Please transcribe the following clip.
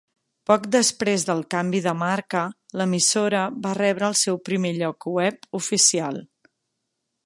Poc després del canvi de marca, l'emissora va rebre el seu primer lloc web oficial.